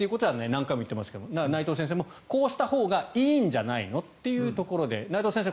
何回も言っていますが内藤先生もこうしたほうがいいんじゃないのというところで内藤先生